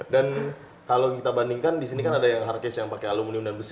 dan kalau kita bandingkan disini kan ada yang hardcase yang pakai aluminium dan besar